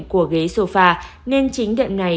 của ghế sofa nên chính đệm này